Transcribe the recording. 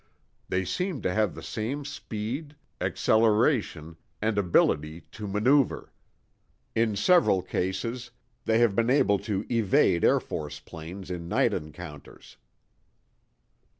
They seem to have the same speed, acceleration, and ability to maneuver. In several cases, they have been able to evade Air Force planes in night encounters."